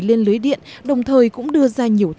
lên lưới điện đồng thời cũng đưa ra